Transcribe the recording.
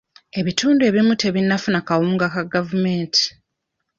Ebitundu ebimu tebinnafuna kawunga ka gavumenti.